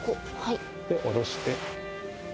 で下ろして。